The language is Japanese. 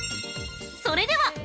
それでは！